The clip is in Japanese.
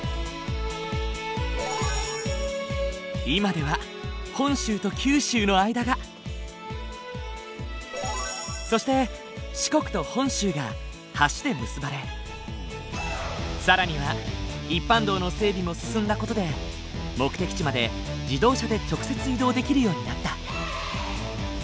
今では本州と九州の間がそして四国と本州が橋で結ばれ更には一般道の整備も進んだ事で目的地まで自動車で直接移動できるようになった。